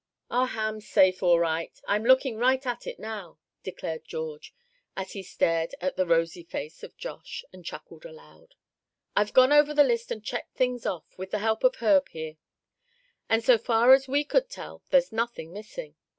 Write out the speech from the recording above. "Our ham's safe, all right; I'm looking right at it now!" declared George, as he stared at the rosy face of Josh, and chuckled aloud. "I've gone over the list, and checked things off, with the help of Herb here; and so far as we could tell, there's nothing missing.